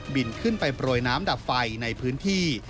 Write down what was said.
บินขึ้นไปปล่อยน้ำดับไฟในพื้นที่